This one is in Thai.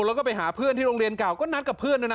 แล้วก็ไปหาเพื่อนที่โรงเรียนเก่าก็นัดกับเพื่อนด้วยนะ